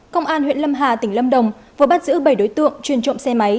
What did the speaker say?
công an huyện lâm hà tỉnh lâm đồng vừa bắt giữ bảy đối tượng chuyên trộm xe máy